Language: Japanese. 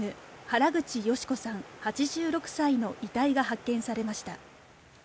原口ヨシ子さん８６歳の遺体が発見されました。